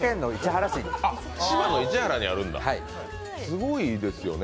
すごいですよね。